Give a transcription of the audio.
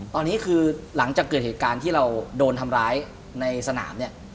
ตอนนี้คือหลังจากเกิดเหตุการณ์ที่เราโดนทำร้ายในสนามเนี่ย